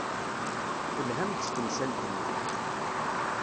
Telham-d s temsalt-nni.